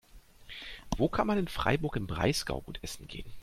Wo kann man in Freiburg im Breisgau gut essen gehen?